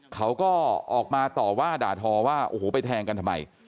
เขาก็ออกมาต่อว่าด่าทอว่าโอ้โหไปแทงกันทำไม